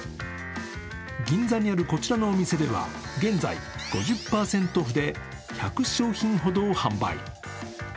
銀座にあるこちらのお店では現在５０％オフで１００商品ほどを販売。